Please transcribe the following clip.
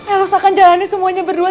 elok akan jalani semuanya berdua